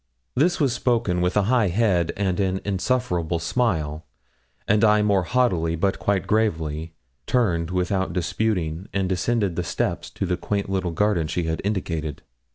This was spoken with a high head and an insufferable smile; and I more haughtily, but quite gravely, turned without disputing, and descended the steps to the quaint little garden she had indicated.